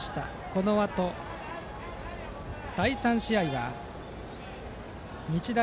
このあと、第３試合は日大